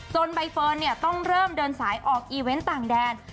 ใบเฟิร์นต้องเริ่มเดินสายออกอีเวนต์ต่างแดน